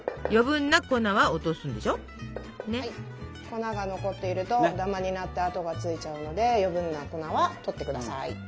粉が残っているとダマになって跡がついちゃうので余計な粉はとってください。